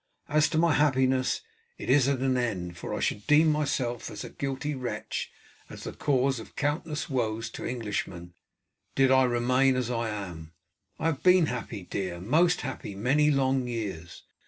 As to my happiness, it is at an end, for I should deem myself as a guilty wretch, as the cause of countless woes to Englishmen, did I remain as I am. I have been happy, dear, most happy, many long years.